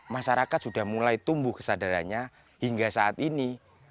masyarakat sudah mulai tumbuh kesadarannya hingga saat ini